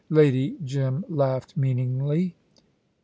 Lady Jim laughed meaningly.